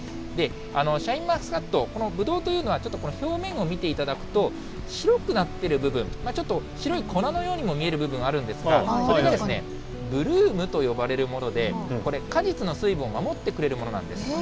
シャインマスカット、このぶどうというのは、表面を見ていただくと、白くなってる部分、ちょっと白い粉のようにも見える部分もあるんですが、これがブルームと呼ばれるもので、これ、果実の水分を守ってくれるものなんです。